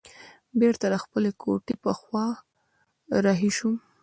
بیرته د خپلې کوټې په خوا رهي شوم.